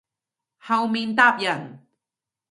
後面搭人